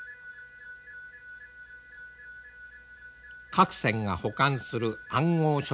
各船が保管する暗号書の封筒。